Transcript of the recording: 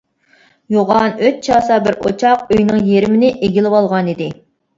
يوغان ئۆت چاسا بىر ئوچاق ئۆينىڭ يېرىمىنى ئىگىلىۋالغانىدى.